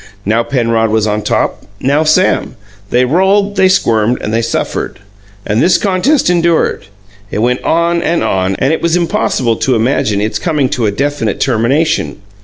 Now Penrod was on top, now Sam; they rolled, they squirmed, they suffered. And this contest endured. It went on and on, and it was impossible to imagine its coming to a definite termination.